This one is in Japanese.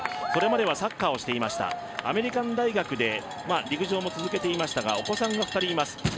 それまではサッカーをしていました、大学で陸上も続けていましたが、お子さんが２人います。